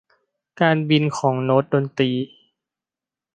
การบินของโน้ตดนตรี